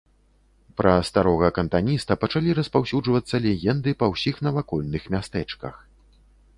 Пра старога кантаніста пачалі распаўсюджвацца легенды па ўсіх навакольных мястэчках.